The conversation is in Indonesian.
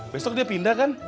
besok dia pindah kan